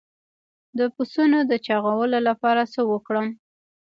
د پسونو د چاغولو لپاره څه ورکړم؟